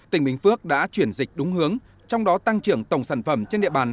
tỉnh bình phước đã chuyển dịch đúng hướng trong đó tăng trưởng tổng sản phẩm trên địa bàn